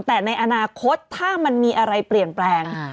แต่ในอนาคตถ้ามันมีอะไรเปลี่ยนแปลง